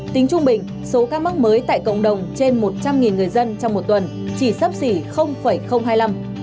tính trung bình số ca mắc mới tại cộng đồng trên một trăm linh người dân trong một tuần chỉ sấp xỉ hai mươi năm